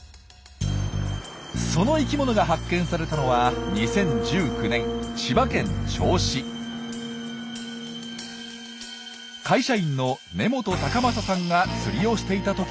その生きものが発見されたのは２０１９年会社員の根本崇正さんが釣りをしていたときのこと。